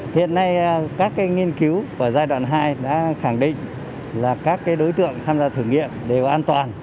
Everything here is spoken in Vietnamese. hiện nay các nghiên cứu của giai đoạn hai đã khẳng định là các đối tượng tham gia thử nghiệm đều an toàn